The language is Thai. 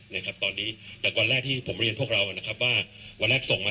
นะครับตอนนี้จากวันแรกที่ผมเรียนพวกเรานะครับว่าวันแรกส่งมา